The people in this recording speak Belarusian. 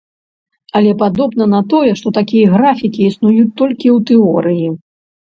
Але падобна на тое, што такія графікі існуюць толькі ў тэорыі.